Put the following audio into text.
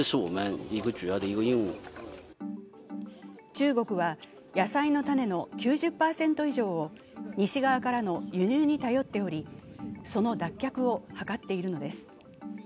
中国は野菜の種の９０％以上を西側からの輸入に頼っておりその脱却を図っているのです。